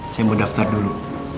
saya mau daftar dulu